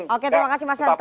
oke terima kasih mas santo